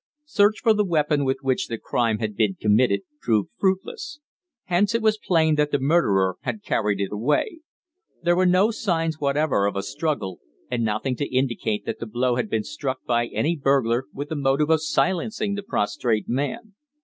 Search for the weapon with which the crime had been committed proved fruitless; hence it was plain that the murderer had carried it away. There were no signs whatever of a struggle, and nothing to indicate that the blow had been struck by any burglar with a motive of silencing the prostrate man.